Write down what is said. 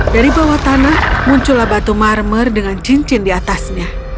dari bawah tanah muncullah batu marmer dengan cincin di atasnya